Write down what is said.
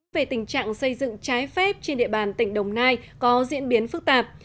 về tình trạng xây dựng trái phép trên địa bàn tỉnh đồng nai có diễn biến phức tạp